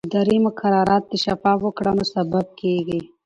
اداري مقررات د شفافو کړنو سبب کېږي.